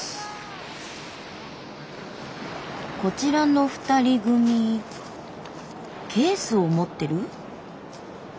こちらの２人組ケースを持ってる？